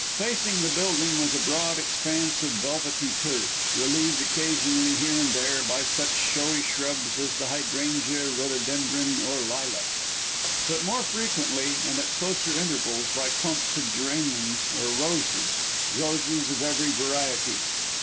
Facing the building was a broad expanse of velvety turf, relieved occasionally, here and there, by such showy shrubs as the hydrangea, rhododendron, or lilac; but more frequently, and at closer intervals, by clumps of geraniums, or roses roses of every variety.